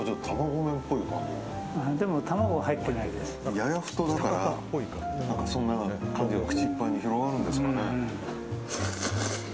やや太だからそんな感じで口いっぱいに広がるんですかね。